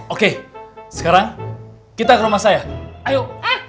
oke sekarang kita ke rumah saya ayo